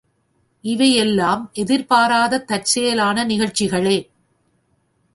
இவையெல்லாம் எதிர்பாராத தற்செயலான நிகழ்ச்சிகளே.